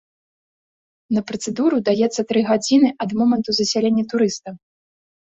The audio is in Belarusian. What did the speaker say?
На працэдуру даецца тры гадзіны ад моманту засялення турыста.